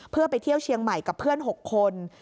เพื่อไปเที่ยวเชียงใหม่กับเพื่อน๖คน